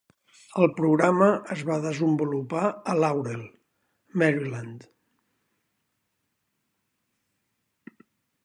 El programa es va desenvolupar a Laurel, Maryland.